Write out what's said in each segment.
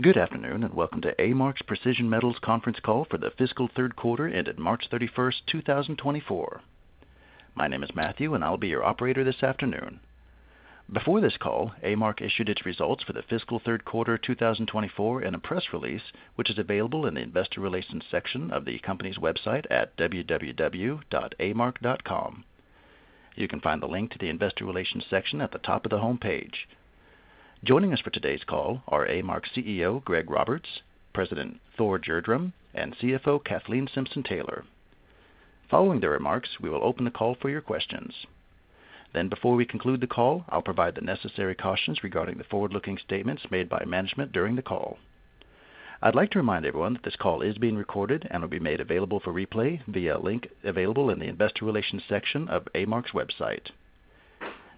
Good afternoon, and welcome to A-Mark's Precious Metals conference call for the fiscal third quarter ended March 31, 2024. My name is Matthew, and I'll be your operator this afternoon. Before this call, A-Mark issued its results for the fiscal third quarter of 2024 in a press release, which is available in the Investor Relations section of the company's website at www.amark.com. You can find the link to the Investor Relations section at the top of the homepage. Joining us for today's call are A-Mark's CEO, Greg Roberts, President Thor Gjerdrum, and CFO, Kathleen Simpson-Taylor. Following their remarks, we will open the call for your questions. Then, before we conclude the call, I'll provide the necessary cautions regarding the forward-looking statements made by management during the call. I'd like to remind everyone that this call is being recorded and will be made available for replay via a link available in the Investor Relations section of A-Mark's website.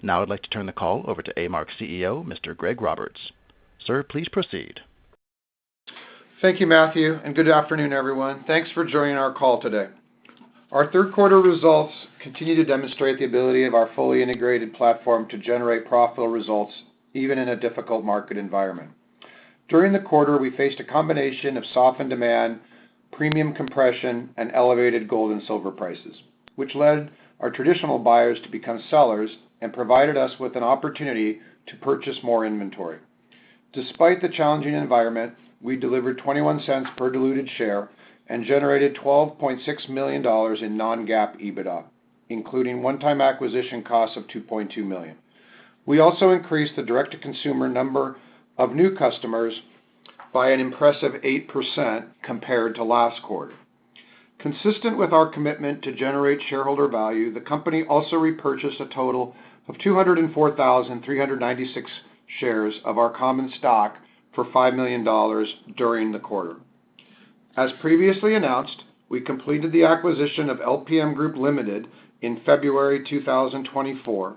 Now, I'd like to turn the call over to A-Mark's CEO, Mr. Greg Roberts. Sir, please proceed. Thank you, Matthew, and good afternoon, everyone. Thanks for joining our call today. Our third quarter results continue to demonstrate the ability of our fully integrated platform to generate profitable results, even in a difficult market environment. During the quarter, we faced a combination of softened demand, premium compression, and elevated gold and silver prices, which led our traditional buyers to become sellers and provided us with an opportunity to purchase more inventory. Despite the challenging environment, we delivered $0.21 per diluted share and generated $12.6 million in non-GAAP EBITDA, including one-time acquisition costs of $2.2 million. We also increased the direct-to-consumer number of new customers by an impressive 8% compared to last quarter. Consistent with our commitment to generate shareholder value, the company also repurchased a total of 204,396 shares of our common stock for $5 million during the quarter. As previously announced, we completed the acquisition of LPM Group Limited in February 2024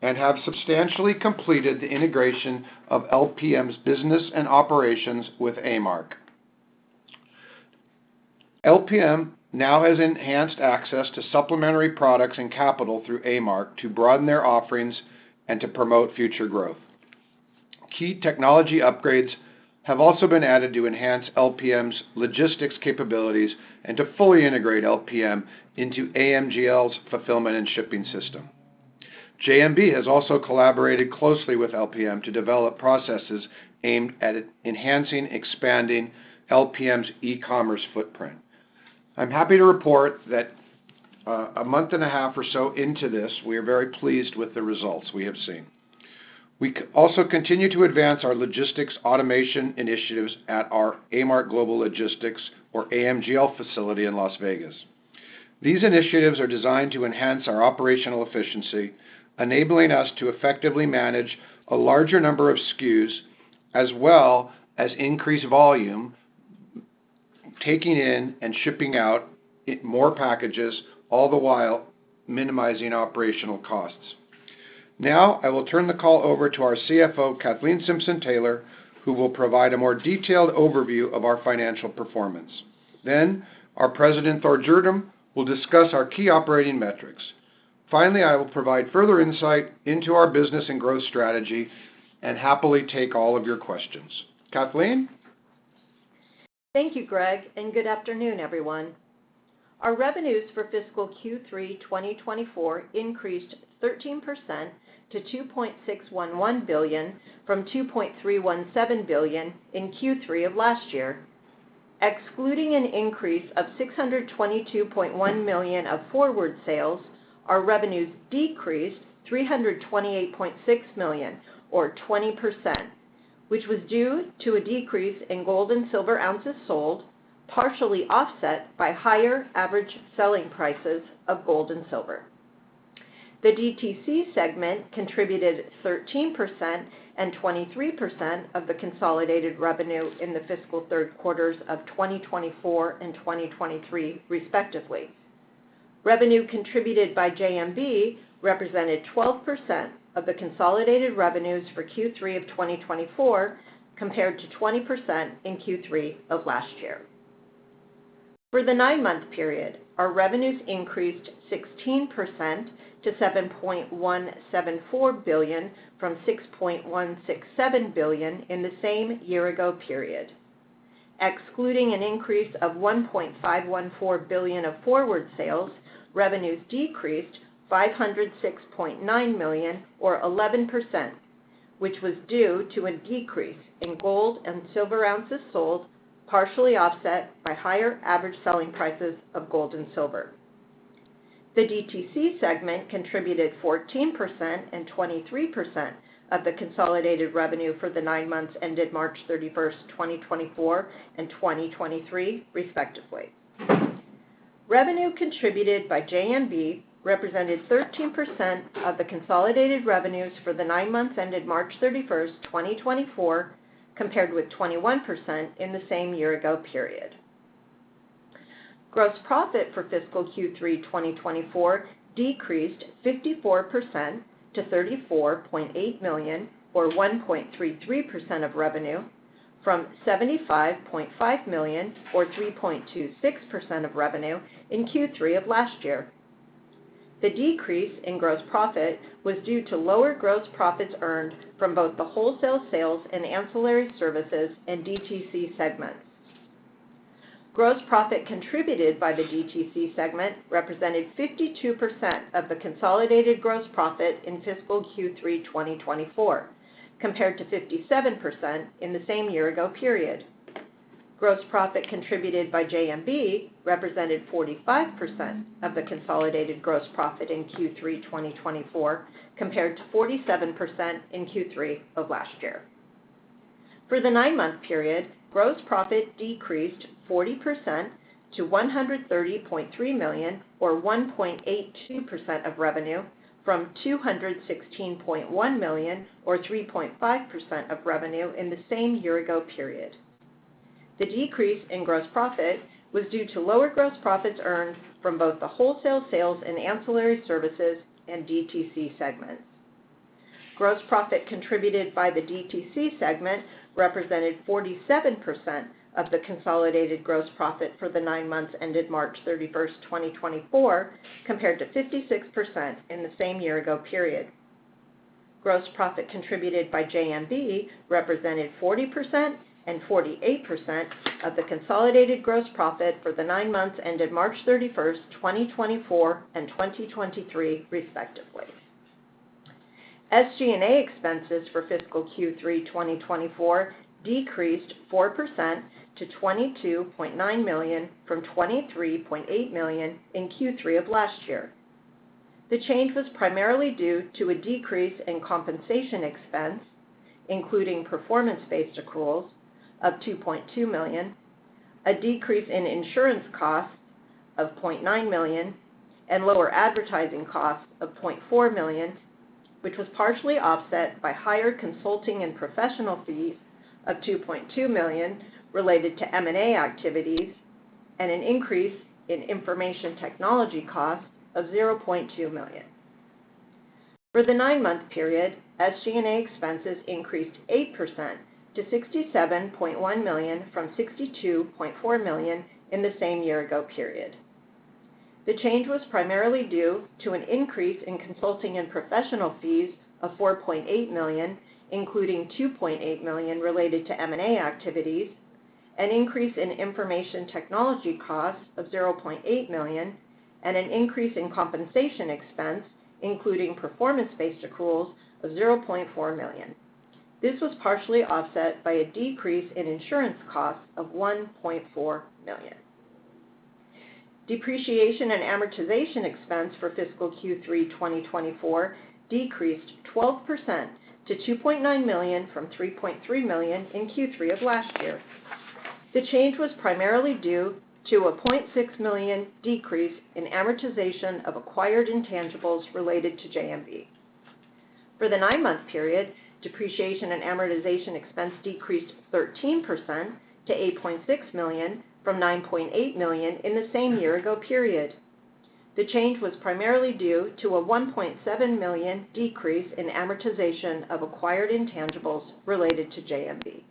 and have substantially completed the integration of LPM's business and operations with A-Mark. LPM now has enhanced access to supplementary products and capital through A-Mark to broaden their offerings and to promote future growth. Key technology upgrades have also been added to enhance LPM's logistics capabilities and to fully integrate LPM into AMGL's fulfillment and shipping system. JMB has also collaborated closely with LPM to develop processes aimed at enhancing, expanding LPM's e-commerce footprint. I'm happy to report that, a month and a half or so into this, we are very pleased with the results we have seen. We also continue to advance our logistics automation initiatives at our A-Mark Global Logistics, or AMGL, facility in Las Vegas. These initiatives are designed to enhance our operational efficiency, enabling us to effectively manage a larger number of SKUs, as well as increase volume, taking in and shipping out more packages, all the while minimizing operational costs. Now, I will turn the call over to our CFO, Kathleen Simpson-Taylor, who will provide a more detailed overview of our financial performance. Then, our President, Thor Gjerdrum, will discuss our key operating metrics. Finally, I will provide further insight into our business and growth strategy and happily take all of your questions. Kathleen? Thank you, Greg, and good afternoon, everyone. Our revenues for fiscal Q3 2024 increased 13% to $2.611 billion from $2.317 billion in Q3 of last year. Excluding an increase of $622.1 million of forward sales, our revenues decreased $328.6 million, or 20%, which was due to a decrease in gold and silver ounces sold, partially offset by higher average selling prices of gold and silver. The DTC segment contributed 13% and 23% of the consolidated revenue in the fiscal third quarters of 2024 and 2023, respectively. Revenue contributed by JMB represented 12% of the consolidated revenues for Q3 of 2024, compared to 20% in Q3 of last year. For the nine-month period, our revenues increased 16% to $7.174 billion from $6.167 billion in the same year-ago period. Excluding an increase of $1.514 billion of forward sales, revenues decreased $506.9 million, or 11%, which was due to a decrease in gold and silver ounces sold, partially offset by higher average selling prices of gold and silver. The DTC segment contributed 14% and 23% of the consolidated revenue for the nine months ended March 31, 2024 and 2023, respectively. Revenue contributed by JMB represented 13% of the consolidated revenues for the nine months ended March 31, 2024, compared with 21% in the same year-ago period. Gross profit for fiscal Q3 2024 decreased 54% to $34.8 million, or 1.33% of revenue, from $75.5 million, or 3.26% of revenue, in Q3 of last year. The decrease in gross profit was due to lower gross profits earned from both the wholesale sales and ancillary services and DTC segments. Gross profit contributed by the DTC segment represented 52% of the consolidated gross profit in fiscal Q3 2024, compared to 57% in the same year ago period. Gross profit contributed by JMB represented 45% of the consolidated gross profit in Q3 2024, compared to 47% in Q3 of last year. For the nine-month period, gross profit decreased 40% to $130.3 million, or 1.82% of revenue, from $216.1 million, or 3.5% of revenue, in the same year-ago period. The decrease in gross profit was due to lower gross profits earned from both the wholesale sales and ancillary services and DTC segments. Gross profit contributed by the DTC segment represented 47% of the consolidated gross profit for the nine months ended March 31, 2024, compared to 56% in the same year-ago period. Gross profit contributed by JMB represented 40% and 48% of the consolidated gross profit for the nine months ended March 31, 2024 and 2023, respectively. SG&A expenses for fiscal Q3 2024 decreased 4% to $22.9 million from $23.8 million in Q3 of last year. The change was primarily due to a decrease in compensation expense, including performance-based accruals of $2.2 million, a decrease in insurance costs of $0.9 million, and lower advertising costs of $0.4 million, which was partially offset by higher consulting and professional fees of $2.2 million related to M&A activities, and an increase in information technology costs of $0.2 million. For the nine-month period, SG&A expenses increased 8% to $67.1 million from $62.4 million in the same year-ago period. The change was primarily due to an increase in consulting and professional fees of $4.8 million, including $2.8 million related to M&A activities, an increase in information technology costs of $0.8 million, and an increase in compensation expense, including performance-based accruals of $0.4 million. This was partially offset by a decrease in insurance costs of $1.4 million. Depreciation and amortization expense for fiscal Q3 2024 decreased 12% to $2.9 million from $3.3 million in Q3 of last year. The change was primarily due to a $0.6 million decrease in amortization of acquired intangibles related to JMB. For the nine-month period, depreciation and amortization expense decreased 13% to $8.6 million from $9.8 million in the same year-ago period. The change was primarily due to a $1.7 million decrease in amortization of acquired intangibles related to JMB.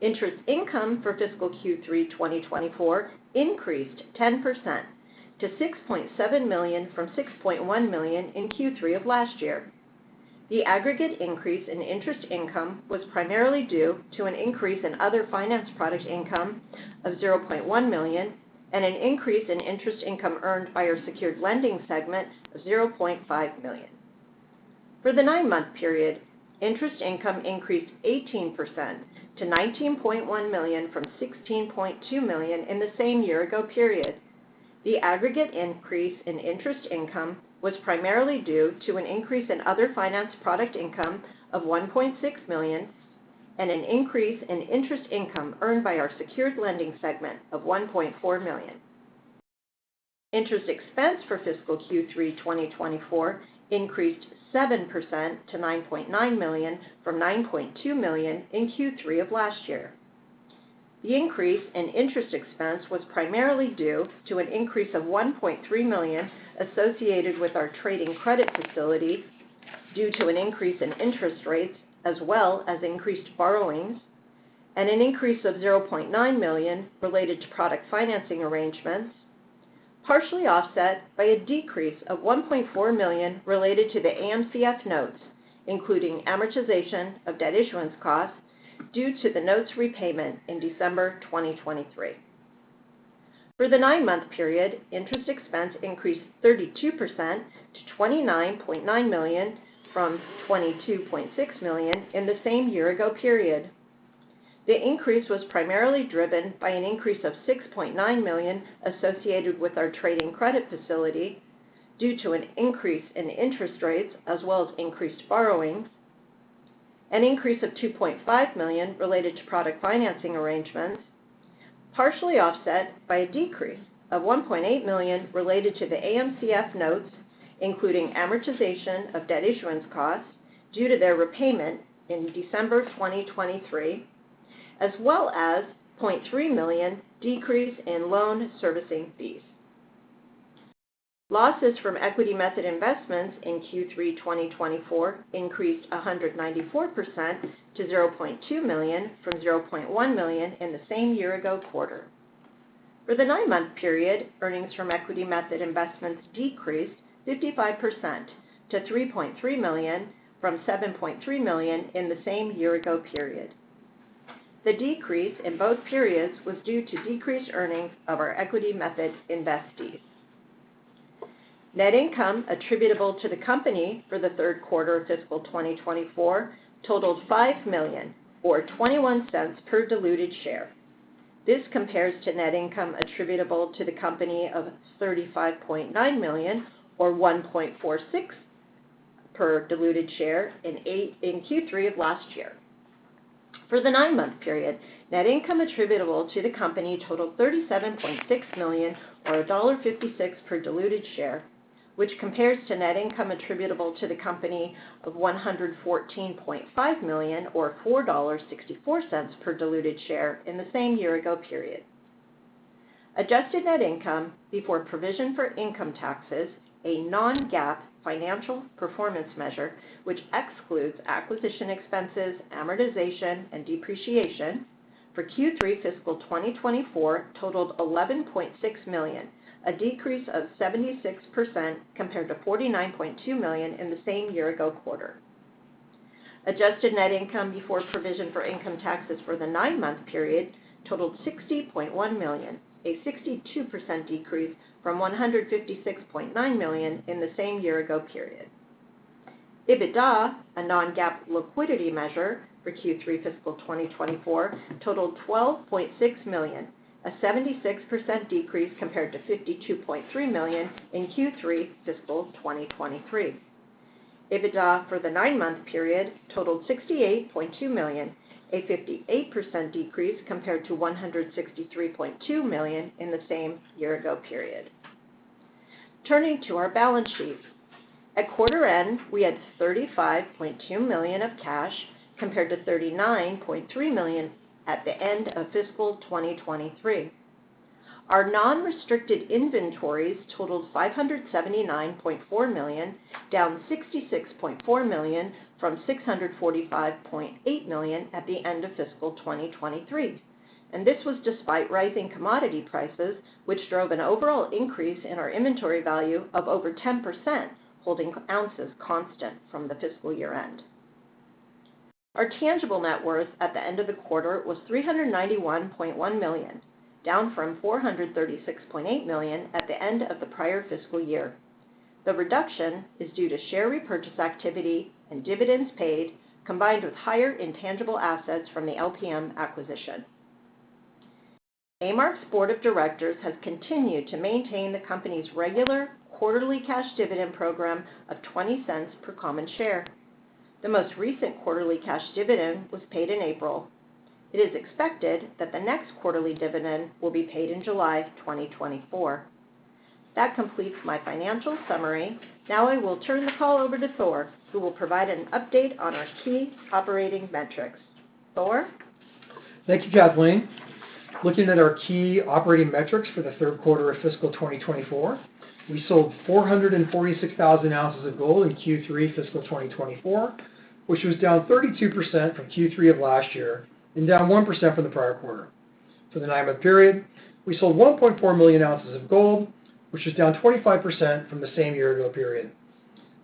Interest income for fiscal Q3 2024 increased 10% to $6.7 million from $6.1 million in Q3 of last year. The aggregate increase in interest income was primarily due to an increase in other finance product income of $0.1 million and an increase in interest income earned by our secured lending segment of $0.5 million. For the nine-month period, interest income increased 18% to $19.1 million from $16.2 million in the same year-ago period. The aggregate increase in interest income was primarily due to an increase in other finance product income of $1.6 million and an increase in interest income earned by our secured lending segment of $1.4 million. Interest expense for fiscal Q3 2024 increased 7% to $9.9 million from $9.2 million in Q3 of last year. The increase in interest expense was primarily due to an increase of $1.3 million associated with our trading credit facility due to an increase in interest rates, as well as increased borrowings, and an increase of $0.9 million related to product financing arrangements, partially offset by a decrease of $1.4 million related to the AMCF notes, including amortization of debt issuance costs due to the notes repayment in December 2023. For the nine-month period, interest expense increased 32% to $29.9 million from $22.6 million in the same year-ago period. The increase was primarily driven by an increase of $6.9 million associated with our trading credit facility due to an increase in interest rates, as well as increased borrowings, an increase of $2.5 million related to product financing arrangements, partially offset by a decrease of $1.8 million related to the AMCF notes, including amortization of debt issuance costs due to their repayment in December 2023, as well as $0.3 million decrease in loan servicing fees. Losses from equity method investments in Q3 2024 increased 194% to $0.2 million from $0.1 million in the same year-ago quarter. For the nine-month period, earnings from equity method investments decreased 55% to $3.3 million from $7.3 million in the same year ago period. The decrease in both periods was due to decreased earnings of our equity method investees. Net income attributable to the company for the third quarter of fiscal 2024 totaled $5 million, or $0.21 per diluted share. This compares to net income attributable to the company of $35.9 million, or $1.46 per diluted share in Q3 of last year. For the nine-month period, net income attributable to the company totaled $37.6 million, or $1.56 per diluted share, which compares to net income attributable to the company of $114.5 million, or $4.64 per diluted share in the same year ago period. Adjusted net income before provision for income taxes, a non-GAAP financial performance measure, which excludes acquisition expenses, amortization, and depreciation for Q3 fiscal 2024 totaled $11.6 million, a decrease of 76% compared to $49.2 million in the same year ago quarter. Adjusted net income before provision for income taxes for the nine-month period totaled $60.1 million, a 62% decrease from $156.9 million in the same year ago period. EBITDA, a non-GAAP liquidity measure for Q3 fiscal 2024, totaled $12.6 million, a 76% decrease compared to $52.3 million in Q3 fiscal 2023. EBITDA for the nine-month period totaled $68.2 million, a 58% decrease compared to $163.2 million in the same year ago period. Turning to our balance sheet. At quarter end, we had $35.2 million of cash, compared to $39.3 million at the end of fiscal 2023. Our non-restricted inventories totaled $579.4 million, down $66.4 million from $645.8 million at the end of fiscal 2023. This was despite rising commodity prices, which drove an overall increase in our inventory value of over 10%, holding ounces constant from the fiscal year-end. Our tangible net worth at the end of the quarter was $391.1 million, down from $436.8 million at the end of the prior fiscal year. The reduction is due to share repurchase activity and dividends paid, combined with higher intangible assets from the LPM acquisition. A-Mark's board of directors has continued to maintain the company's regular quarterly cash dividend program of $0.20 per common share. The most recent quarterly cash dividend was paid in April. It is expected that the next quarterly dividend will be paid in July 2024. That completes my financial summary. Now I will turn the call over to Thor, who will provide an update on our key operating metrics. Thor? Thank you, Kathleen. Looking at our key operating metrics for the third quarter of fiscal 2024, we sold 446,000 ounces of gold in Q3 fiscal 2024, which was down 32% from Q3 of last year and down 1% from the prior quarter. For the nine-month period, we sold 1.4 million ounces of gold, which is down 25% from the same year ago period.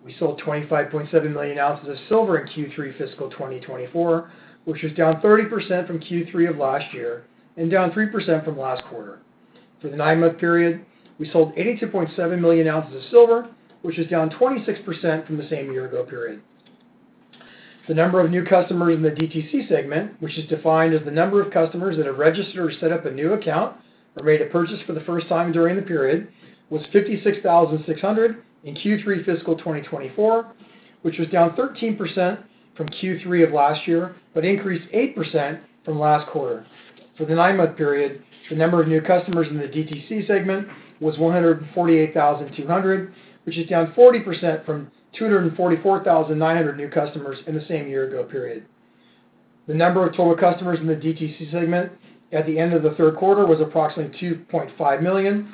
We sold 25.7 million ounces of silver in Q3 fiscal 2024, which is down 30% from Q3 of last year and down 3% from last quarter. For the nine-month period, we sold 82.7 million ounces of silver, which is down 26% from the same year ago period. The number of new customers in the DTC segment, which is defined as the number of customers that have registered or set up a new account or made a purchase for the first time during the period, was 56,600 in Q3 fiscal 2024, which was down 13% from Q3 of last year, but increased 8% from last quarter. For the nine-month period, the number of new customers in the DTC segment was 148,200, which is down 40% from 244,900 new customers in the same year ago period. The number of total customers in the DTC segment at the end of the third quarter was approximately 2.5 million,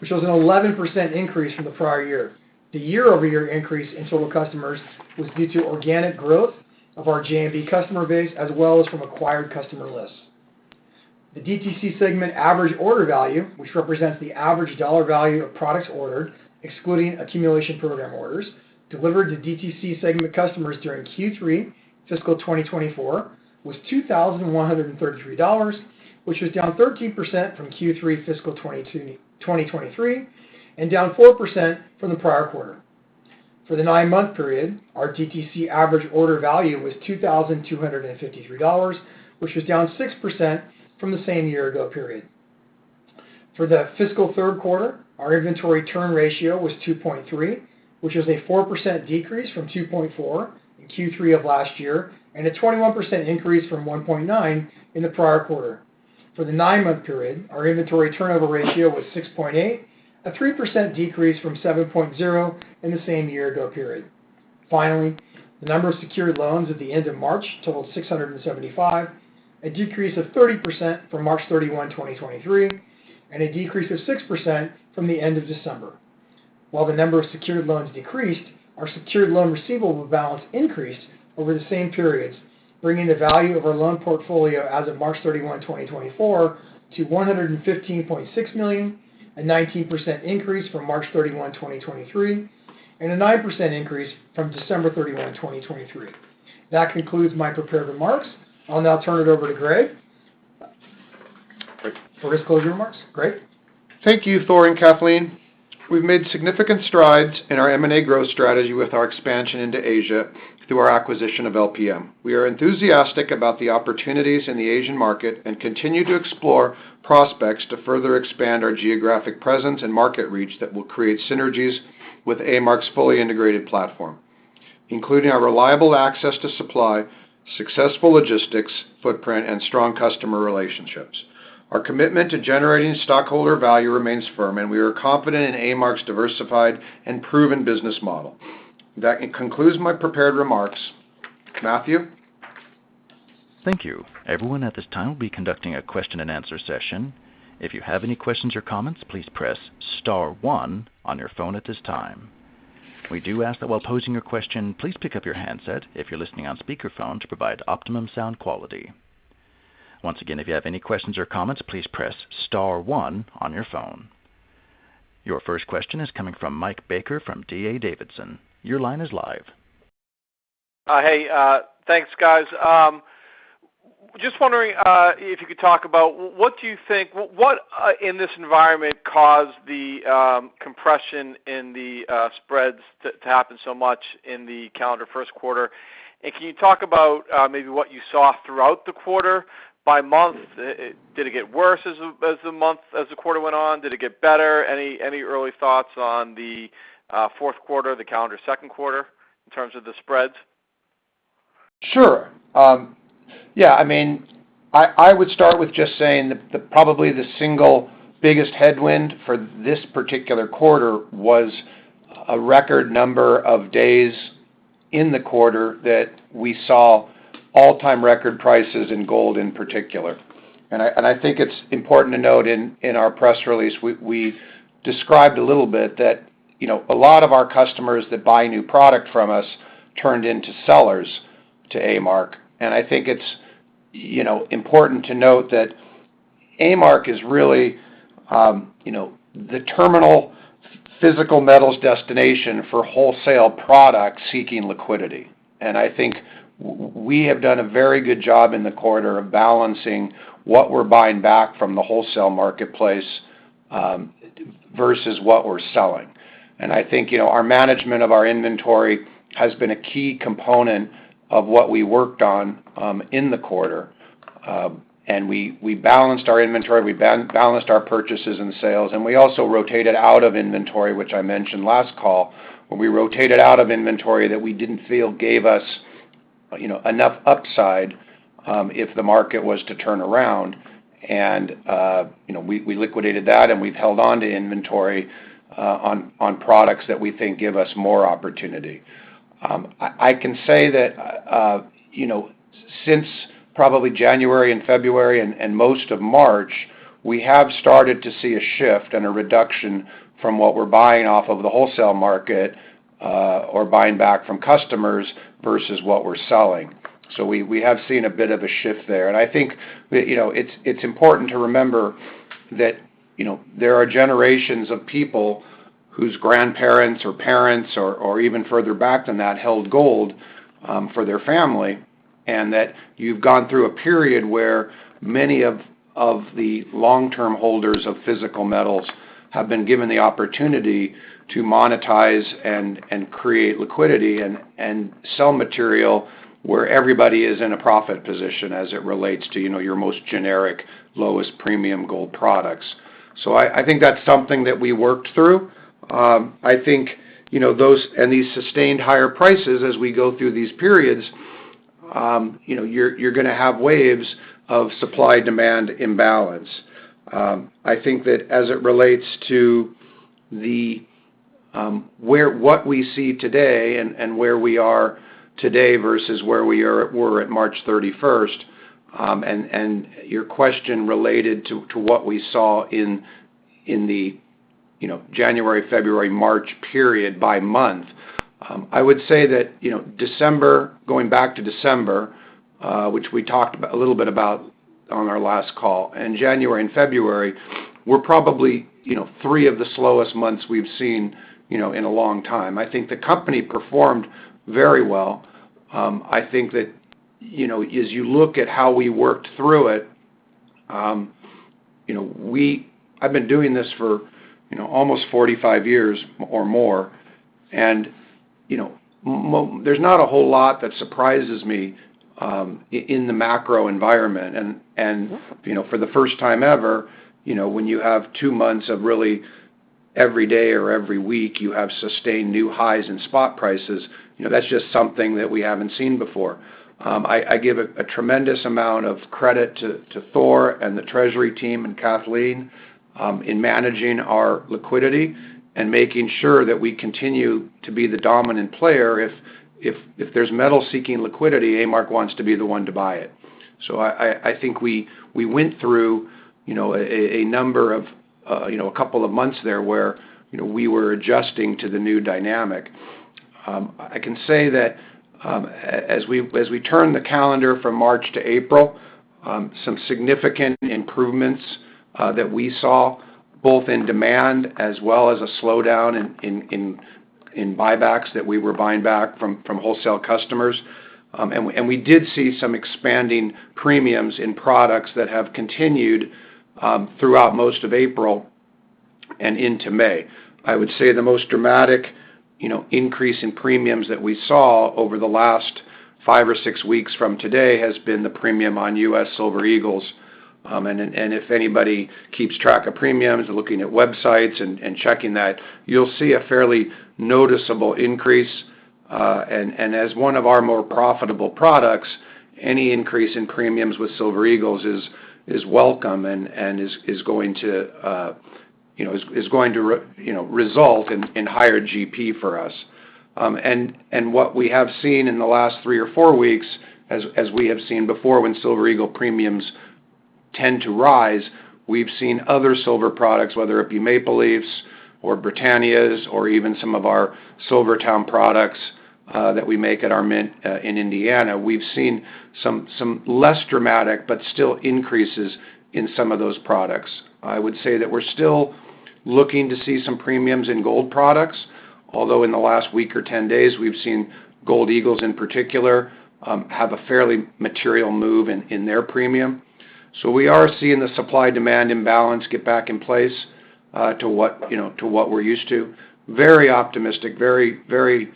which was an 11% increase from the prior year. The year-over-year increase in total customers was due to organic growth of our JMB customer base, as well as from acquired customer lists. The DTC segment average order value, which represents the average dollar value of products ordered, excluding accumulation program orders, delivered to DTC segment customers during Q3 fiscal 2024, was $2,133, which was down 13% from Q3 fiscal 2023, and down 4% from the prior quarter. For the nine-month period, our DTC average order value was $2,253, which was down 6% from the same year ago period. For the fiscal third quarter, our inventory turn ratio was 2.3, which is a 4% decrease from 2.4 in Q3 of last year and a 21% increase from 1.9 in the prior quarter. For the nine-month period, our inventory turnover ratio was 6.8, a 3% decrease from 7.0 in the same year-ago period. Finally, the number of secured loans at the end of March totaled 675, a decrease of 30% from March 31, 2023, and a decrease of 6% from the end of December 31, 2023. While the number of secured loans decreased, our secured loan receivable balance increased over the same periods, bringing the value of our loan portfolio as of March 31, 2024, to $115.6 million, a 19% increase from March 31, 2023, and a 9% increase from December 31, 2023. That concludes my prepared remarks. I'll now turn it over to Greg. For his closing remarks. Greg? Thank you, Thor and Kathleen. We've made significant strides in our M&A growth strategy with our expansion into Asia through our acquisition of LPM. We are enthusiastic about the opportunities in the Asian market and continue to explore prospects to further expand our geographic presence and market reach that will create synergies with A-Mark's fully integrated platform, including our reliable access to supply, successful logistics, footprint, and strong customer relationships. Our commitment to generating stockholder value remains firm, and we are confident in A-Mark's diversified and proven business model. That concludes my prepared remarks. Matthew? Thank you. Everyone, at this time, we'll be conducting a question-and-answer session. If you have any questions or comments, please press star one on your phone at this time. We do ask that while posing your question, please pick up your handset if you're listening on speakerphone, to provide optimum sound quality. Once again, if you have any questions or comments, please press star one on your phone. Your first question is coming from Mike Baker from D.A. Davidson. Your line is live. Hey, thanks, guys. Just wondering if you could talk about what do you think—what, in this environment, caused the compression in the spreads to happen so much in the calendar first quarter? And can you talk about maybe what you saw throughout the quarter by month? Did it get worse as the quarter went on? Did it get better? Any early thoughts on the fourth quarter, the calendar second quarter, in terms of the spreads? Sure. Yeah, I mean, I would start with just saying that probably the single biggest headwind for this particular quarter was a record number of days in the quarter that we saw all-time record prices in gold in particular. And I think it's important to note in our press release, we described a little bit that, you know, a lot of our customers that buy new product from us turned into sellers to A-Mark, and I think it's, you know, important to note that A-Mark is really, you know, the terminal physical metals destination for wholesale products seeking liquidity. And I think we have done a very good job in the quarter of balancing what we're buying back from the wholesale marketplace, versus what we're selling. I think, you know, our management of our inventory has been a key component of what we worked on in the quarter. And we balanced our inventory, we balanced our purchases and sales, and we also rotated out of inventory, which I mentioned last call. When we rotated out of inventory that we didn't feel gave us, you know, enough upside, if the market was to turn around and, you know, we liquidated that, and we've held on to inventory on products that we think give us more opportunity. I can say that, you know, since probably January and February and most of March, we have started to see a shift and a reduction from what we're buying off of the wholesale market or buying back from customers versus what we're selling. So we have seen a bit of a shift there. And I think that, you know, it's important to remember that, you know, there are generations of people whose grandparents or parents, or even further back than that, held gold for their family, and that you've gone through a period where many of the long-term holders of physical metals have been given the opportunity to monetize and create liquidity and sell material where everybody is in a profit position as it relates to, you know, your most generic, lowest premium gold products. So I think that's something that we worked through. I think, you know, those and these sustained higher prices as we go through these periods, you know, you're gonna have waves of supply-demand imbalance. I think that as it relates to what we see today and where we are today versus where we are. We're at March 31st, and your question related to what we saw in the, you know, January, February, March period by month. I would say that, you know, December, going back to December, which we talked about a little bit on our last call, and January and February, were probably, you know, three of the slowest months we've seen, you know, in a long time. I think the company performed very well. I think that, you know, as you look at how we worked through it, you know, I've been doing this for, you know, almost 45 years or more, and, you know, there's not a whole lot that surprises me, in the macro environment. And, you know, for the first time ever, you know, when you have two months of really every day or every week, you have sustained new highs in spot prices, you know, that's just something that we haven't seen before. I give a tremendous amount of credit to Thor and the treasury team and Kathleen, in managing our liquidity and making sure that we continue to be the dominant player. If there's metal-seeking liquidity, A-Mark wants to be the one to buy it. So I think we went through, you know, a number of, you know, a couple of months there, where, you know, we were adjusting to the new dynamic. I can say that as we turn the calendar from March to April, some significant improvements that we saw, both in demand as well as a slowdown in buybacks that we were buying back from wholesale customers. And we did see some expanding premiums in products that have continued throughout most of April and into May. I would say the most dramatic, you know, increase in premiums that we saw over the last five or six weeks from today has been the premium on U.S. Silver Eagles. And then if anybody keeps track of premiums, or looking at websites and checking that, you'll see a fairly noticeable increase. And as one of our more profitable products, any increase in premiums with Silver Eagles is welcome, and is going to result in higher GP for us. And what we have seen in the last 3 or 4 weeks, as we have seen before when Silver Eagle premiums tend to rise, we've seen other silver products, whether it be Maple Leafs or Britannias, or even some of our SilverTowne products that we make at our mint in Indiana. We've seen some less dramatic, but still increases in some of those products. I would say that we're still looking to see some premiums in gold products, although in the last week or 10 days, we've seen Gold Eagles, in particular, have a fairly material move in, in their premium. So we are seeing the supply-demand imbalance get back in place, to what, you know, to what we're used to. Very optimistic, very, very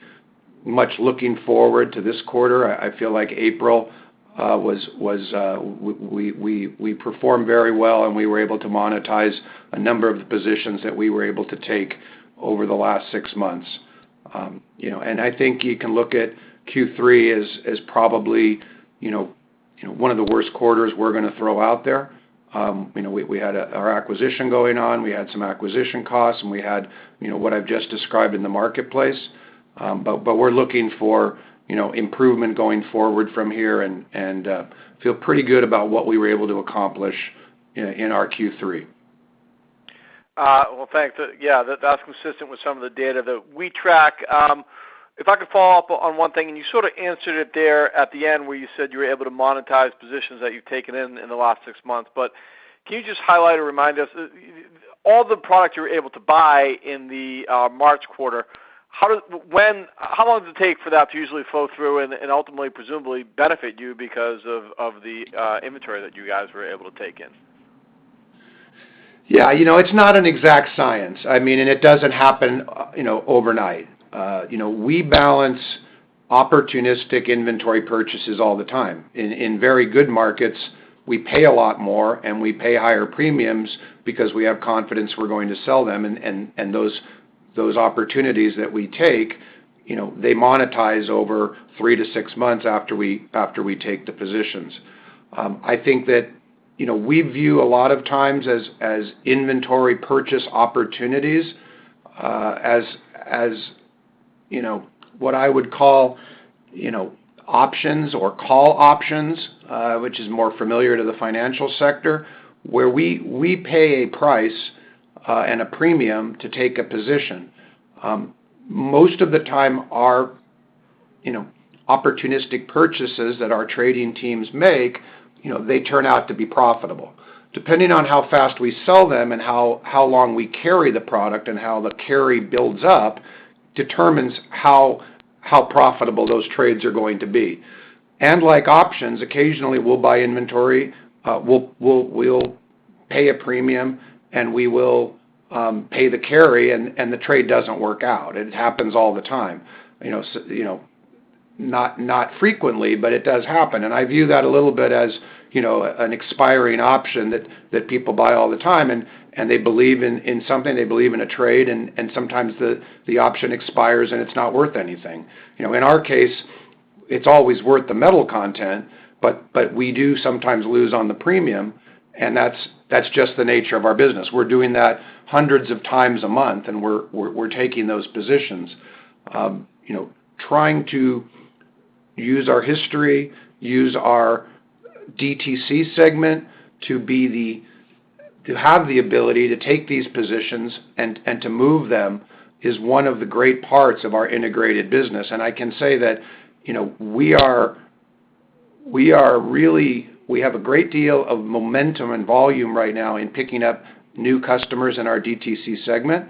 much looking forward to this quarter. I feel like April was... We performed very well, and we were able to monetize a number of the positions that we were able to take over the last six months. You know, and I think you can look at Q3 as probably, you know, one of the worst quarters we're gonna throw out there. You know, we had our acquisition going on, we had some acquisition costs, and we had, you know, what I've just described in the marketplace. But we're looking for, you know, improvement going forward from here, and feel pretty good about what we were able to accomplish in our Q3. Well, thanks. Yeah, that's consistent with some of the data that we track. If I could follow up on 1 thing, and you sort of answered it there at the end, where you said you were able to monetize positions that you've taken in the last 6 months. But can you just highlight or remind us all the products you were able to buy in the March quarter, how long does it take for that to usually flow through and ultimately, presumably benefit you because of the inventory that you guys were able to take in? Yeah, you know, it's not an exact science. I mean, and it doesn't happen, you know, overnight. You know, we balance opportunistic inventory purchases all the time. In very good markets, we pay a lot more, and we pay higher premiums because we have confidence we're going to sell them, and those opportunities that we take, you know, they monetize over 3-6 months after we take the positions. I think that, you know, we view a lot of times as inventory purchase opportunities as, you know, what I would call, you know, options or call options, which is more familiar to the financial sector, where we pay a price and a premium to take a position. Most of the time, our, you know, opportunistic purchases that our trading teams make, you know, they turn out to be profitable. Depending on how fast we sell them and how long we carry the product and how the carry builds up, determines how profitable those trades are going to be. And like options, occasionally, we'll buy inventory, we'll pay a premium, and we will pay the carry, and the trade doesn't work out. It happens all the time. You know, you know, not frequently, but it does happen. And I view that a little bit as, you know, an expiring option that people buy all the time, and they believe in something, they believe in a trade, and sometimes the option expires, and it's not worth anything. You know, in our case, it's always worth the metal content, but we do sometimes lose on the premium, and that's just the nature of our business. We're doing that hundreds of times a month, and we're taking those positions. You know, trying to use our history, use our DTC segment to be the, to have the ability to take these positions and to move them, is one of the great parts of our integrated business. And I can say that, you know, we are really... We have a great deal of momentum and volume right now in picking up new customers in our DTC segment.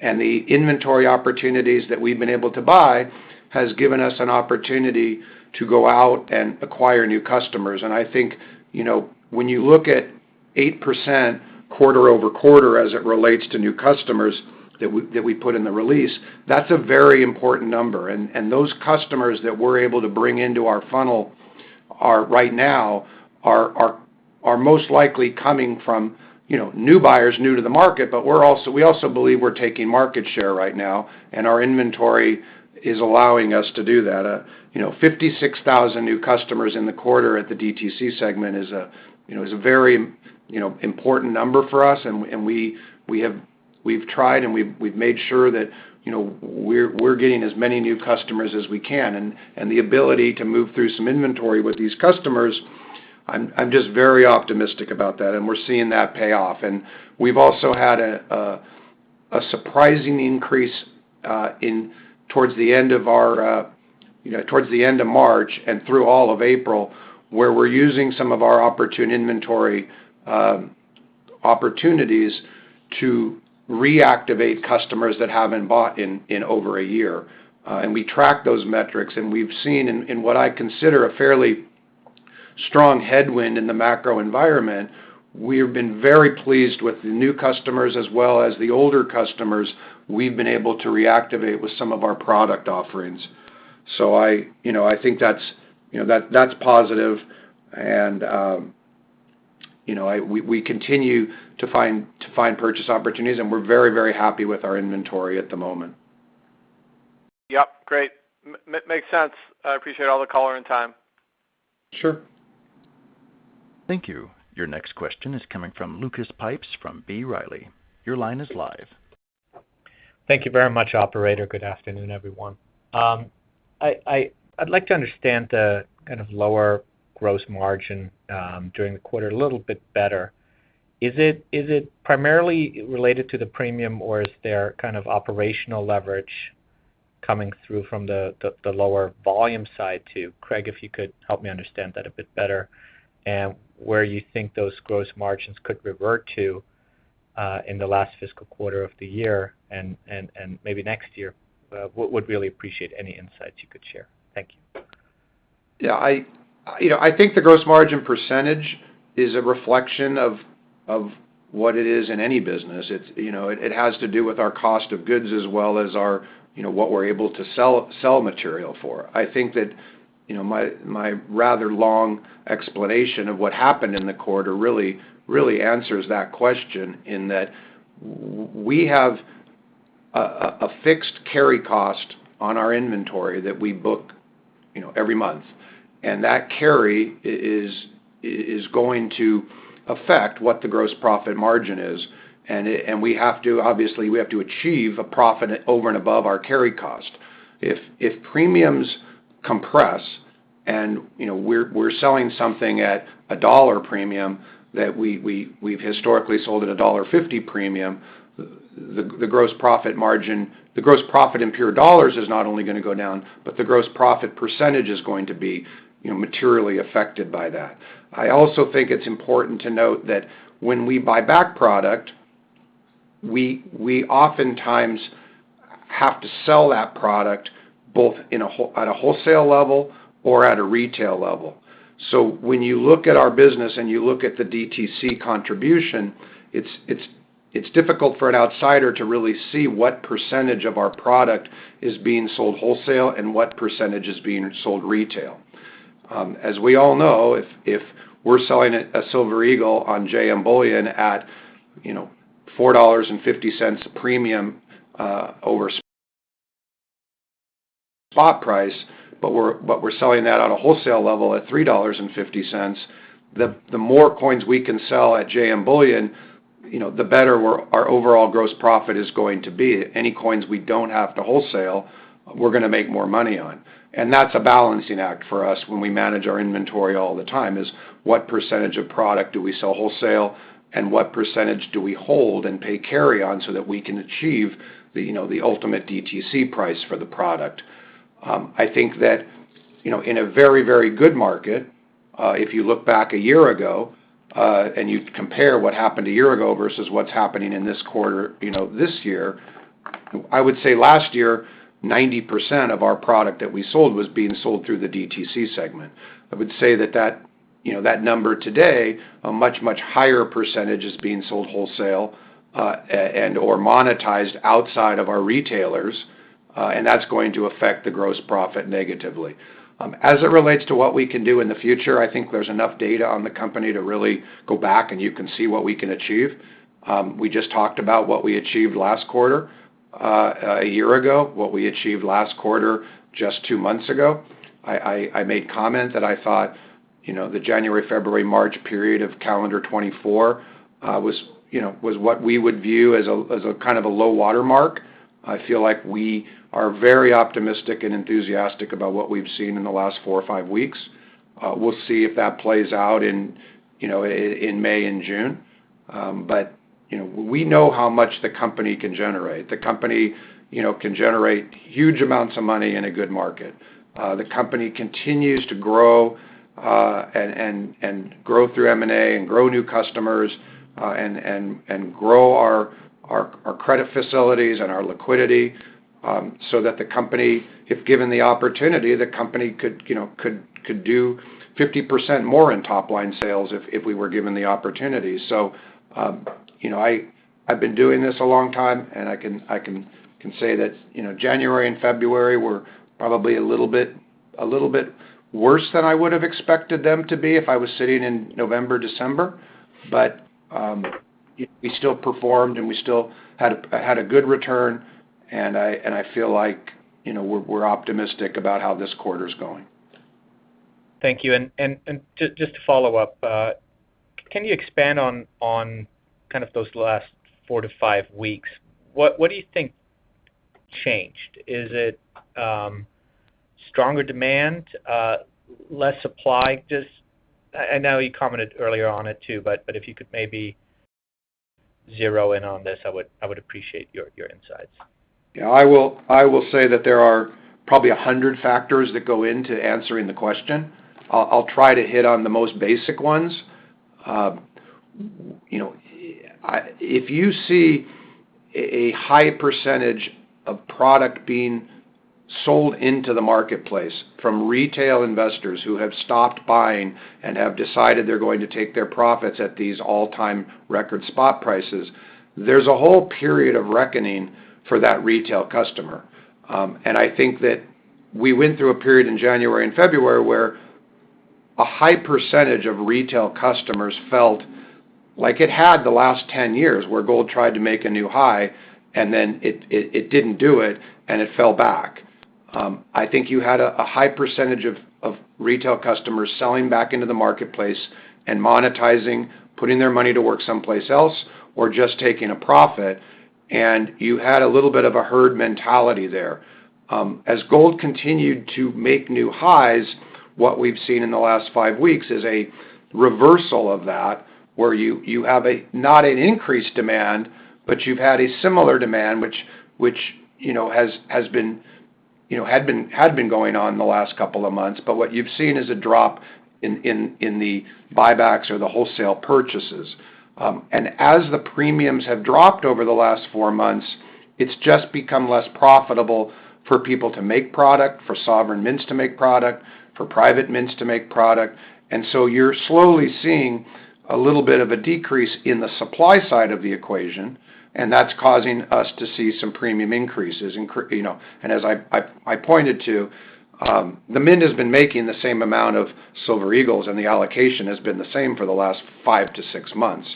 And the inventory opportunities that we've been able to buy has given us an opportunity to go out and acquire new customers. I think, you know, when you look at 8% quarter-over-quarter, as it relates to new customers that we put in the release, that's a very important number. And those customers that we're able to bring into our funnel are, right now, most likely coming from, you know, new buyers, new to the market, but we also believe we're taking market share right now, and our inventory is allowing us to do that. You know, 56,000 new customers in the quarter at the DTC segment is a, you know, very important number for us, and we have—we've tried, and we've made sure that, you know, we're getting as many new customers as we can. And the ability to move through some inventory with these customers-... I'm just very optimistic about that, and we're seeing that pay off. And we've also had a surprising increase in towards the end of our, you know, towards the end of March and through all of April, where we're using some of our opportune inventory opportunities to reactivate customers that haven't bought in over a year. And we track those metrics, and we've seen in what I consider a fairly strong headwind in the macro environment, we have been very pleased with the new customers as well as the older customers we've been able to reactivate with some of our product offerings. So I, you know, I think that's, you know, that, that's positive. And, you know, we continue to find purchase opportunities, and we're very, very happy with our inventory at the moment. Yes, great. Makes sense. I appreciate all the color and time. Sure. Thank you. Your next question is coming from Lucas Pipes from B. Riley. Your line is live. Thank you very much, operator. Good afternoon, everyone. I'd like to understand the kind of lower gross margin during the quarter a little bit better. Is it primarily related to the premium, or is there kind of operational leverage coming through from the lower volume side, too? Craig, if you could help me understand that a bit better, and where you think those gross margins could revert to in the last fiscal quarter of the year and maybe next year. Would really appreciate any insights you could share. Thank you. Yeah, you know, I think the gross margin percentage is a reflection of what it is in any business. It's, you know, it has to do with our cost of goods as well as our, you know, what we're able to sell material for. I think that, you know, my rather long explanation of what happened in the quarter really answers that question in that we have a fixed carry cost on our inventory that we book, you know, every month, and that carry is going to affect what the gross profit margin is. And we have to obviously achieve a profit over and above our carry cost. If premiums compress and, you know, we're selling something at a $1 premium that we've historically sold at a $1.50 premium, the gross profit margin, the gross profit in pure dollars is not only gonna go down, but the gross profit percentage is going to be, you know, materially affected by that. I also think it's important to note that when we buy back product, we oftentimes have to sell that product at a wholesale level or at a retail level. So when you look at our business and you look at the DTC contribution, it's difficult for an outsider to really see what percentage of our product is being sold wholesale and what percentage is being sold retail. As we all know, if we're selling a Silver Eagle on JM Bullion at, you know, $4.50 premium over spot price, but we're selling that on a wholesale level at $3.50, the more coins we can sell at JM Bullion, you know, the better our overall gross profit is going to be. Any coins we don't have to wholesale, we're gonna make more money on. And that's a balancing act for us when we manage our inventory all the time, is what percentage of product do we sell wholesale, and what percentage do we hold and pay carry on so that we can achieve the, you know, the ultimate DTC price for the product? I think that, you know, in a very, very good market, if you look back a year ago, and you compare what happened a year ago versus what's happening in this quarter, you know, this year, I would say last year, 90% of our product that we sold was being sold through the DTC segment. I would say that that, you know, that number today, a much, much higher percentage is being sold wholesale, and/or monetized outside of our retailers, and that's going to affect the gross Profit negatively. As it relates to what we can do in the future, I think there's enough data on the company to really go back, and you can see what we can achieve. We just talked about what we achieved last quarter, a year ago, what we achieved last quarter, just two months ago. I made comments that I thought, you know, the January, February, March period of calendar 2024 was, you know, what we would view as a kind of a low watermark. I feel like we are very optimistic and enthusiastic about what we've seen in the last four or five weeks. We'll see if that plays out in, you know, in May and June. But, you know, we know how much the company can generate. The company, you know, can generate huge amounts of money in a good market. The company continues to grow and grow through M&A and grow new customers and grow our credit facilities and our liquidity, so that the company, if given the opportunity, the company could, you know, do 50% more in top-line sales if we were given the opportunity. So, you know, I've been doing this a long time, and I can say that, you know, January and February were probably a little bit worse than I would have expected them to be if I was sitting in November, December. But, we still performed, and we still had a good return, and I feel like, you know, we're optimistic about how this quarter's going. Thank you. And just to follow up, can you expand on kind of those last 4-5 weeks? What do you think changed? Is it stronger demand, less supply? Just, I know you commented earlier on it too, but if you could maybe zero in on this, I would appreciate your insights. Yeah, I will, I will say that there are probably 100 factors that go into answering the question. I'll, I'll try to hit on the most basic ones. You know, if you see a high percentage of product being sold into the marketplace from retail investors who have stopped buying and have decided they're going to take their profits at these all-time record spot prices, there's a whole period of reckoning for that retail customer. And I think that we went through a period in January and February where a high percentage of retail customers felt like it had the last 10 years, where gold tried to make a new high, and then it didn't do it, and it fell back. I think you had a high percentage of retail customers selling back into the marketplace and monetizing, putting their money to work someplace else or just taking a profit, and you had a little bit of a herd mentality there. As gold continued to make new highs, what we've seen in the last five weeks is a reversal of that, where you have a not an increased demand, but you've had a similar demand which you know has been you know had been going on in the last couple of months. But what you've seen is a drop in the buybacks or the wholesale purchases. And as the premiums have dropped over the last four months, it's just become less profitable for people to make product, for sovereign mints to make product, for private mints to make product. So you're slowly seeing a little bit of a decrease in the supply side of the equation, and that's causing us to see some premium increases, you know. And as I pointed to, the mint has been making the same amount of Silver Eagles, and the allocation has been the same for the last 5-6 months,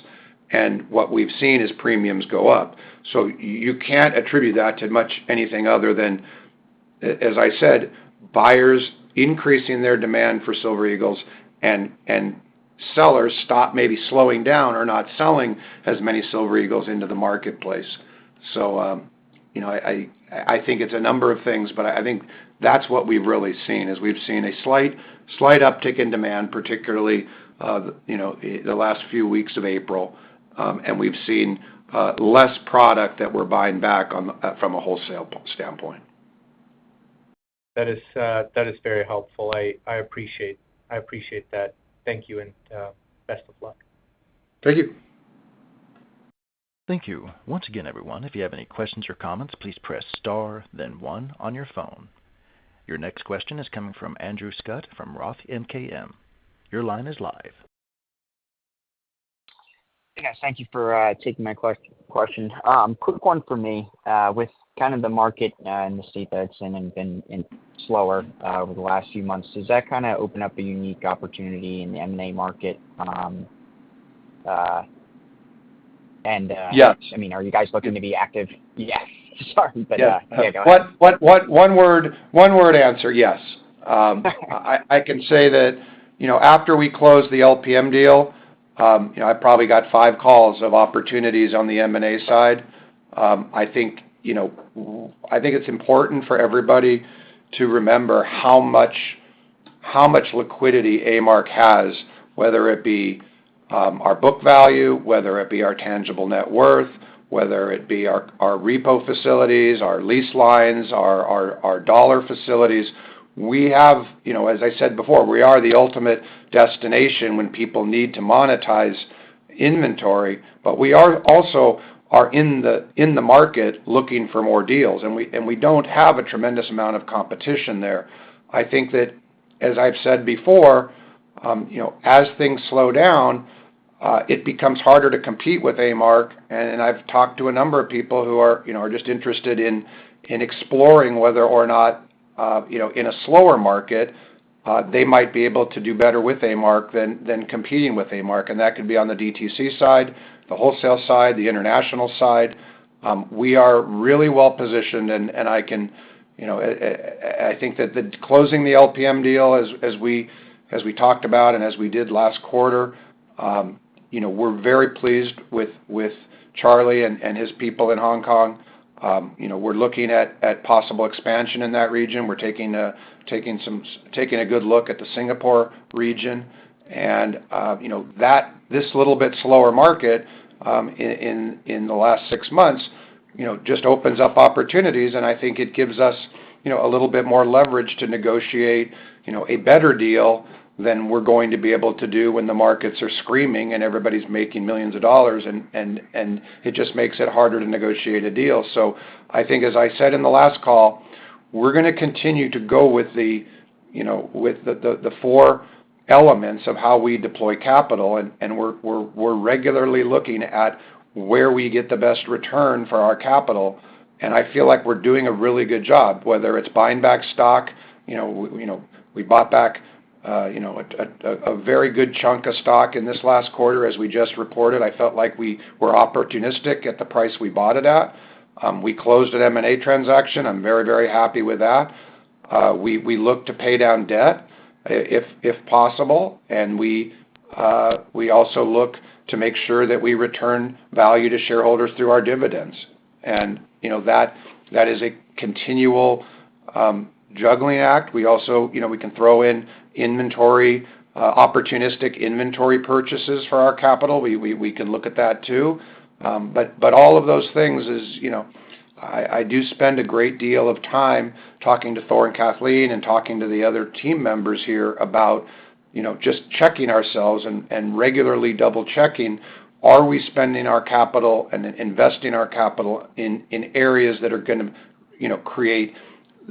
and what we've seen is premiums go up. So you can't attribute that to much anything other than, as I said, buyers increasing their demand for Silver Eagles and sellers stop maybe slowing down or not selling as many Silver Eagles into the marketplace. So, you know, I think it's a number of things, but I think that's what we've really seen, is we've seen a slight, slight uptick in demand, particularly, you know, the last few weeks of April. And we've seen less product that we're buying back on from a wholesale standpoint. That is, that is very helpful. I, I appreciate, I appreciate that. Thank you, and best of luck. Thank you. Thank you. Once again, everyone, if you have any questions or comments, please press Star then One on your phone. Your next question is coming from Andrew Scutt from Roth MKM. Your line is live. Yes, thank you for taking my question. Quick one for me. With kind of the market in the state that it's in and been in slower over the last few months, does that kind of open up a unique opportunity in the M&A market? Yeah. I mean, are you guys looking to be active? Yes. Sorry, but, Yeah. Okay, go ahead. One word, one word answer, yes. I can say that, you know, after we closed the LPM deal, you know, I probably got five calls of opportunities on the M&A side. I think, you know, I think it's important for everybody to remember how much, how much liquidity A-Mark has, whether it be our book value, whether it be our tangible net worth, whether it be our repo facilities, our lease lines, our dollar facilities. We have. You know, as I said before, we are the ultimate destination when people need to monetize inventory, but we are also in the market looking for more deals, and we don't have a tremendous amount of competition there. I think that, as I've said before, you know, as things slow down, it becomes harder to compete with A-Mark. I've talked to a number of people who are, you know, just interested in exploring whether or not, you know, in a slower market, they might be able to do better with A-Mark than competing with A-Mark, and that could be on the DTC side, the wholesale side, the international side. We are really well positioned, and I can, you know, I think that the closing the LPM deal as we talked about and as we did last quarter, we're very pleased with Charlie and his people in Hong Kong. We're looking at possible expansion in that region. We're taking a good look at the Singapore region, and you know, that this little bit slower market in the last six months you know just opens up opportunities, and I think it gives us you know a little bit more leverage to negotiate you know a better deal than we're going to be able to do when the markets are screaming and everybody's making millions of dollars, and it just makes it harder to negotiate a deal. So I think, as I said in the last call, we're gonna continue to go with the you know with the four elements of how we deploy capital, and we're regularly looking at where we get the best return for our capital, and I feel like we're doing a really good job, whether it's buying back stock. You know, you know, we bought back, you know, a very good chunk of stock in this last quarter, as we just reported. I felt like we were opportunistic at the price we bought it at. We closed an M&A transaction. I'm very, very happy with that. We look to pay down debt, if possible, and we also look to make sure that we return value to shareholders through our dividends. You know, that is a continual juggling act. We also, you know, we can throw in inventory, opportunistic inventory purchases for our capital. We can look at that too. But, but all of those things is, you know, I do spend a great deal of time talking to Thor and Kathleen and talking to the other team members here about, you know, just checking ourselves and regularly double-checking, are we spending our capital and investing our capital in areas that are gonna, you know, create,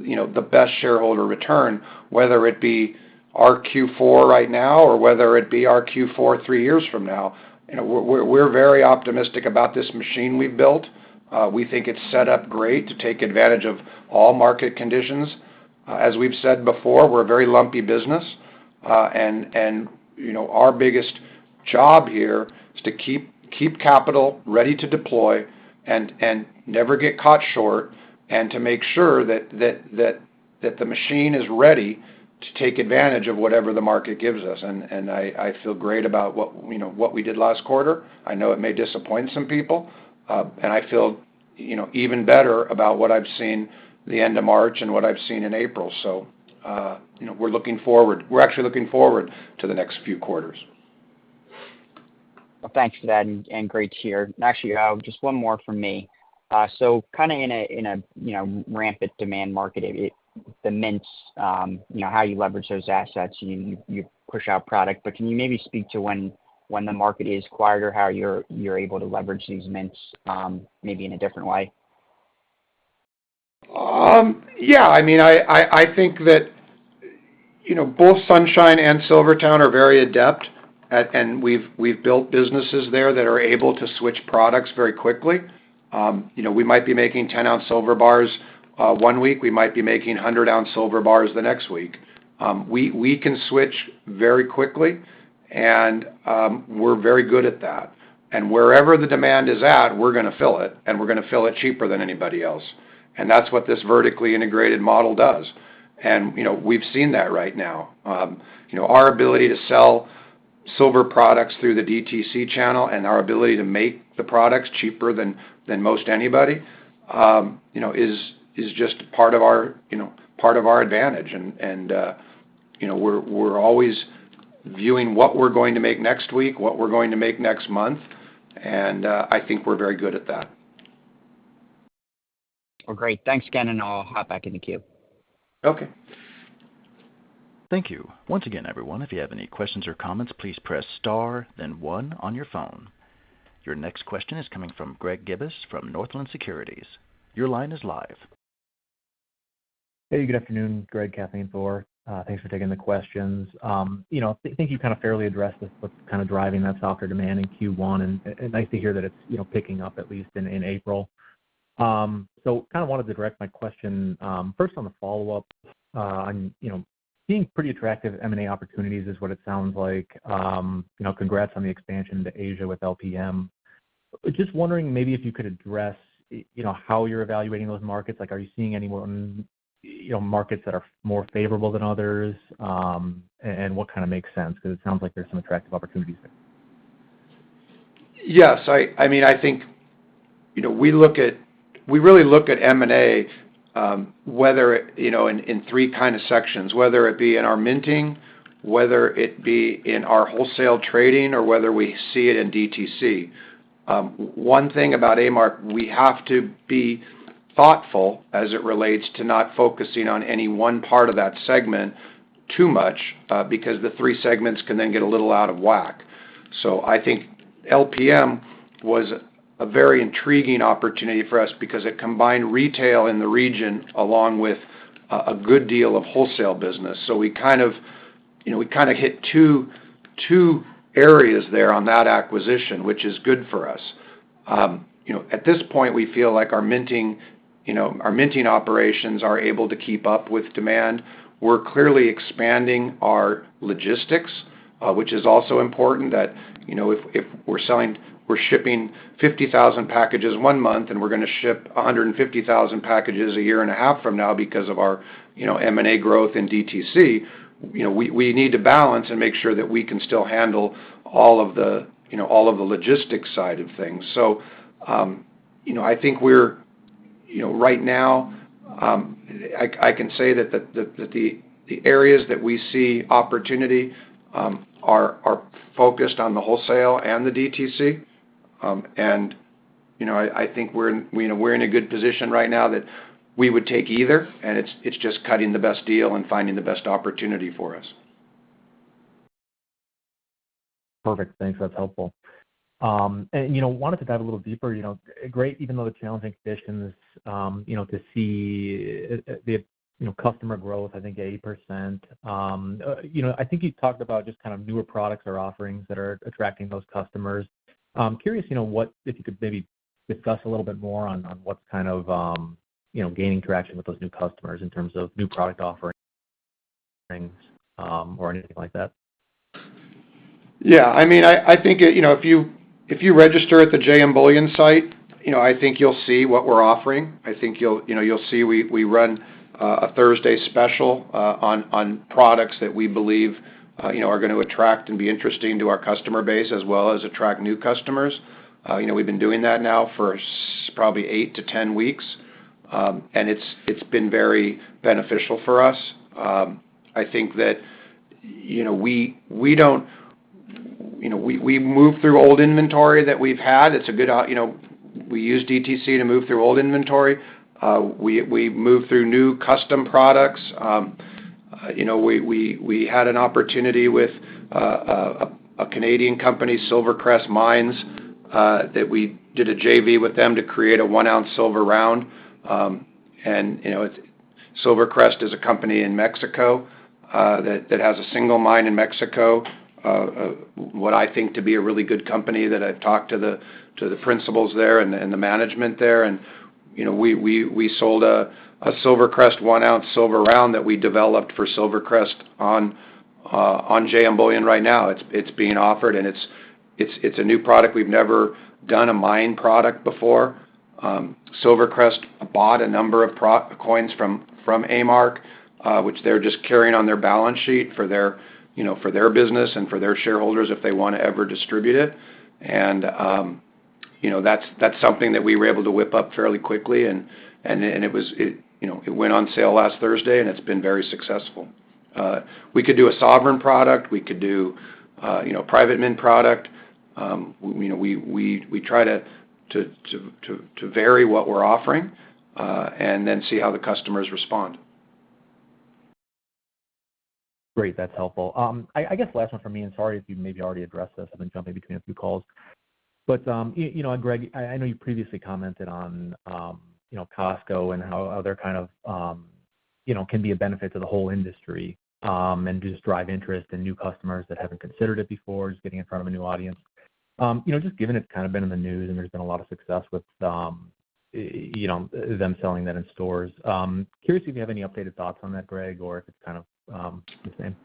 you know, the best shareholder return, whether it be our Q4 right now or whether it be our Q4 three years from now? You know, we're very optimistic about this machine we've built. We think it's set up great to take advantage of all market conditions. As we've said before, we're a very lumpy business. And, you know, our biggest job here is to keep capital ready to deploy and never get caught short, and to make sure that the machine is ready to take advantage of whatever the market gives us. And I feel great about what, you know, what we did last quarter. I know it may disappoint some people, and I feel, you know, even better about what I've seen the end of March and what I've seen in April. So, you know, we're looking forward. We're actually looking forward to the next few quarters. Well, thanks for that, and great to hear. Actually, just one more from me. So kind of in a you know, rampant demand market, the mints, you know, how you leverage those assets, you push out product. But can you maybe speak to when the market is quieter, how you're able to leverage these mints, maybe in a different way? Yeah. I mean, I think that, you know, both Sunshine and SilverTowne are very adept at... And we've built businesses there that are able to switch products very quickly. You know, we might be making 10-ounce silver bars, one week, we might be making 100-ounce silver bars the next week. We can switch very quickly, and we're very good at that. And wherever the demand is at, we're gonna fill it, and we're gonna fill it cheaper than anybody else. And that's what this vertically integrated model does. And, you know, we've seen that right now. You know, our ability to sell silver products through the DTC channel and our ability to make the products cheaper than most anybody, you know, is just part of our, you know, part of our advantage. You know, we're always viewing what we're going to make next week, what we're going to make next month, and I think we're very good at that. Well, great. Thanks again, and I'll hop back in the queue. Okay. Thank you. Once again, everyone, if you have any questions or comments, please press Star, then One on your phone. Your next question is coming from Greg Gibas from Northland Securities. Your line is live. Hey, good afternoon, Greg, Kathleen, Thor. Thanks for taking the questions. You know, I think you kind of fairly addressed what's kind of driving that softer demand in Q1, and nice to hear that it's, you know, picking up at least in April. So kind of wanted to direct my question first, on the follow-up on, you know, seeing pretty attractive M&A opportunities is what it sounds like. You know, congrats on the expansion to Asia with LPM. Just wondering maybe if you could address, you know, how you're evaluating those markets. Like, are you seeing any more, you know, markets that are more favorable than others? And what kind of makes sense, because it sounds like there's some attractive opportunities there. Yes. I mean, I think, you know, we look at... We really look at M&A, whether it, you know, in three kind of sections, whether it be in our minting, whether it be in our wholesale trading, or whether we see it in DTC. One thing about A-Mark, we have to be thoughtful as it relates to not focusing on any one part of that segment too much, because the three segments can then get a little out of whack. So I think LPM was a very intriguing opportunity for us because it combined retail in the region, along with a good deal of wholesale business. So we kind of, you know, we kind of hit two areas there on that acquisition, which is good for us. You know, at this point, we feel like our minting, you know, our minting operations are able to keep up with demand. We're clearly expanding our logistics, which is also important that, you know, if we're selling-- we're shipping 50,000 packages one month, and we're gonna ship 150,000 packages a year and a half from now because of our, you know, M&A growth in DTC, you know, we need to balance and make sure that we can still handle all of the, you know, all of the logistics side of things. So, you know, I think we're, you know, right now, I can say that the areas that we see opportunity are focused on the wholesale and the DTC. And, you know, I think we're in, we know we're in a good position right now that we would take either, and it's just cutting the best deal and finding the best opportunity for us. Perfect. Thanks. That's helpful. And, you know, wanted to dive a little deeper, you know, great, even though the challenging conditions, you know, to see, the, you know, customer growth, I think 80%. You know, I think you talked about just kind of newer products or offerings that are attracting those customers. Curious, you know, what... If you could maybe discuss a little bit more on, on what's kind of, you know, gaining traction with those new customers in terms of new product offerings, or anything like that?... Yeah, I mean, I think, you know, if you, if you register at the JM Bullion site, you know, I think you'll see what we're offering. I think you'll, you know, you'll see we, we run a Thursday special on products that we believe, you know, are gonna attract and be interesting to our customer base, as well as attract new customers. You know, we've been doing that now for probably 8-10 weeks, and it's, it's been very beneficial for us. I think that, you know, we, we don't, you know, we, we move through old inventory that we've had. It's a good opportunity, you know, we use DTC to move through old inventory. We, we move through new custom products. You know, we had an opportunity with a Canadian company, SilverCrest Mines, that we did a JV with them to create a one-ounce silver round. You know, SilverCrest is a company in Mexico that has a single mine in Mexico, what I think to be a really good company, that I've talked to the principals there and the management there. You know, we sold a SilverCrest one-ounce silver round that we developed for SilverCrest on JM Bullion right now. It's a new product. We've never done a mine product before. SilverCrest bought a number of coins from A-Mark, which they're just carrying on their balance sheet for their, you know, for their business and for their shareholders, if they want to ever distribute it. You know, that's something that we were able to whip up fairly quickly and it, you know, it went on sale last Thursday, and it's been very successful. We could do a sovereign product. We could do, you know, private mint product. You know, we try to vary what we're offering and then see how the customers respond. Great. That's helpful. I, I guess last one for me, and sorry if you maybe already addressed this. I've been jumping between a few calls. But, you, you know, Greg, I, I know you previously commented on, you know, Costco and how other kind of, you know, can be a benefit to the whole industry, and just drive interest in new customers that haven't considered it before, just getting in front of a new audience. You know, just given it's kind of been in the news, and there's been a lot of success with, you know, them selling that in stores, curious if you have any updated thoughts on that, Greg, or if it's kind of, the same?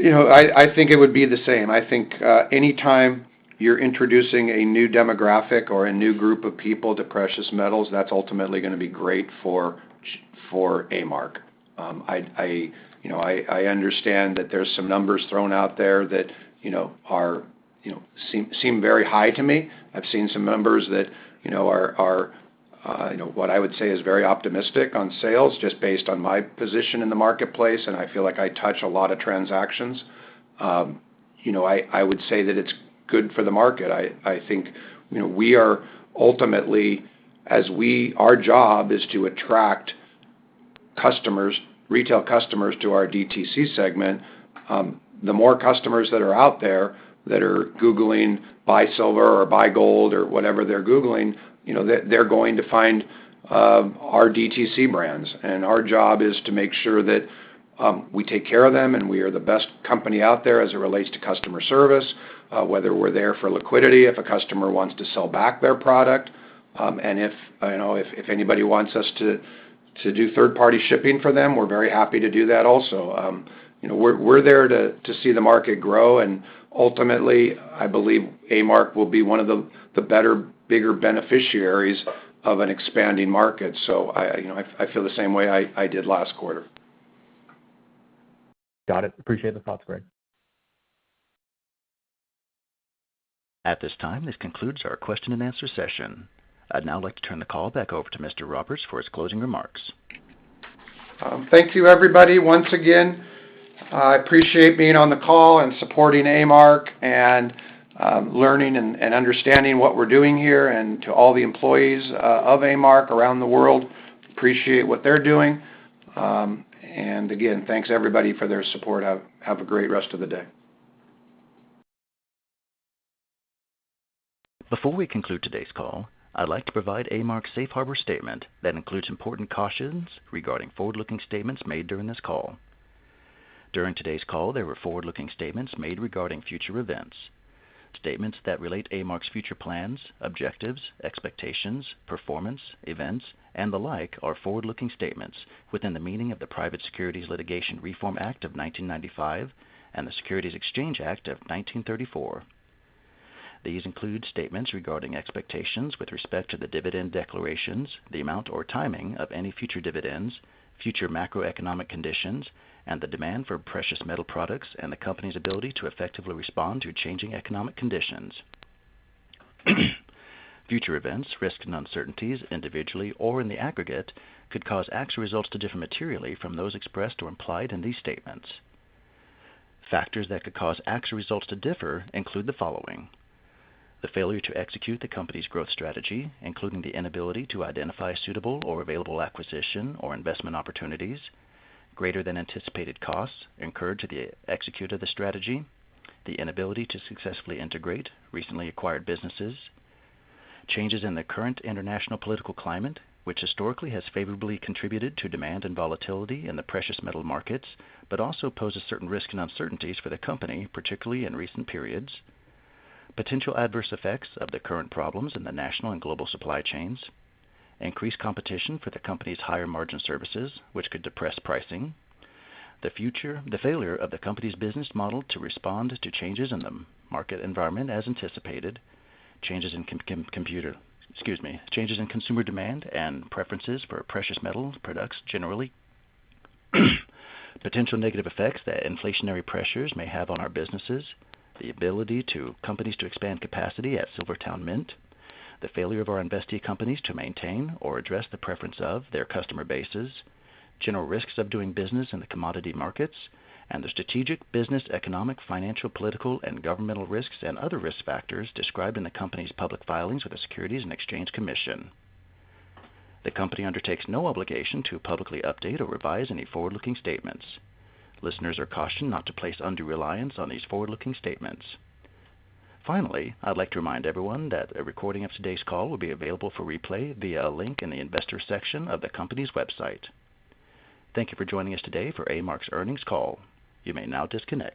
You know, I think it would be the same. I think, anytime you're introducing a new demographic or a new group of people to precious metals, that's ultimately gonna be great for A-Mark. I, you know, I understand that there's some numbers thrown out there that, you know, are, you know, seem very high to me. I've seen some numbers that, you know, are, you know, what I would say is very optimistic on sales, just based on my position in the marketplace, and I feel like I touch a lot of transactions. You know, I would say that it's good for the market. I think, you know, we are ultimately, as we... Our job is to attract customers, retail customers to our DTC segment. The more customers that are out there that are Googling, "buy silver" or "buy gold" or whatever they're Googling, you know, they're going to find our DTC brands. And our job is to make sure that we take care of them, and we are the best company out there as it relates to customer service, whether we're there for liquidity, if a customer wants to sell back their product, and if, you know, if anybody wants us to do third-party shipping for them, we're very happy to do that also. You know, we're there to see the market grow, and ultimately, I believe A-Mark will be one of the better, bigger beneficiaries of an expanding market. So I, you know, I feel the same way I did last quarter. Got it. Appreciate the thoughts, Greg. At this time, this concludes our question and answer session. I'd now like to turn the call back over to Mr. Roberts for his closing remarks. Thank you, everybody. Once again, I appreciate being on the call and supporting A-Mark, and learning and understanding what we're doing here. To all the employees of A-Mark around the world, appreciate what they're doing. And again, thanks, everybody, for their support. Have a great rest of the day. Before we conclude today's call, I'd like to provide A-Mark's safe harbor statement that includes important cautions regarding forward-looking statements made during this call. During today's call, there were forward-looking statements made regarding future events. Statements that relate A-Mark's future plans, objectives, expectations, performance, events, and the like are forward-looking statements within the meaning of the Private Securities Litigation Reform Act of 1995 and the Securities Exchange Act of 1934. These include statements regarding expectations with respect to the dividend declarations, the amount or timing of any future dividends, future macroeconomic conditions, and the demand for precious metal products, and the company's ability to effectively respond to changing economic conditions. Future events, risks, and uncertainties, individually or in the aggregate, could cause actual results to differ materially from those expressed or implied in these statements. Factors that could cause actual results to differ include the following: the failure to execute the company's growth strategy, including the inability to identify a suitable or available acquisition or investment opportunities. Greater than anticipated costs incurred to execute the strategy. The inability to successfully integrate recently acquired businesses. Changes in the current international political climate, which historically has favorably contributed to demand and volatility in the precious metal markets, but also poses certain risks and uncertainties for the company, particularly in recent periods. Potential adverse effects of the current problems in the national and global supply chains. Increased competition for the company's higher-margin services, which could depress pricing. The failure of the company's business model to respond to changes in the market environment as anticipated. Changes in consumer demand and preferences for precious metals products, generally. Potential negative effects that inflationary pressures may have on our businesses. The ability of the Company to expand capacity at SilverTowne Mint. The failure of our investee companies to maintain or address the preference of their customer bases. General risks of doing business in the commodity markets. The strategic, business, economic, financial, political, and governmental risks and other risk factors described in the company's public filings with the Securities and Exchange Commission. The company undertakes no obligation to publicly update or revise any forward-looking statements. Listeners are cautioned not to place undue reliance on these forward-looking statements. Finally, I'd like to remind everyone that a recording of today's call will be available for replay via a link in the Investors section of the company's website. Thank you for joining us today for A-Mark's earnings call. You may now disconnect.